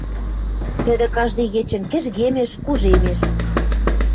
Тӹдӹ каждый кечӹнь кӹжгемеш, кужемеш.